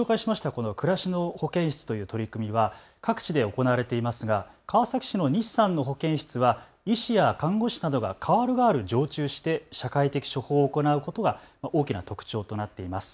この暮らしの保健室という取り組みは各地で行われていますが川崎市の西さんの保健室は医師や看護師などがかわるがわる常駐して社会的処方を行うことが大きな特徴となっています。